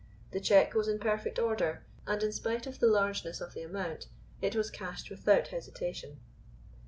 The cheque was in perfect order, and, in spite of the largeness of the amount, it was cashed without hesitation.